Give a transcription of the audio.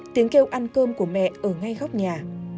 tiếng kêu ăn cơm của mẹ ở ngay góc nhà